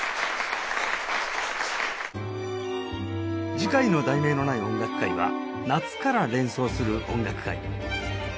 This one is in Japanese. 次回の『題名のない音楽会』は「夏から連想する音楽会」